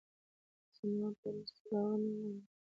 زما په دوستۍ باور نه درلود.